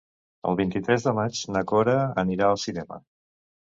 El vint-i-tres de maig na Cora anirà al cinema.